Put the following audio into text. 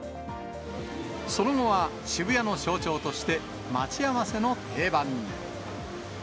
その後は渋谷の象徴として、待ち合わせの定番に。